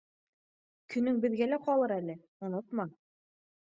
Көнөң беҙгә лә ҡалыр әле, онотма